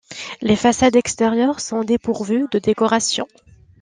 Les façades extérieures sont dépourvues de décoration.